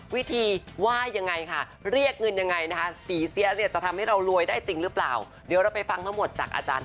วิธีว่ายังไงคะเรียกเงินยังไงนะคะ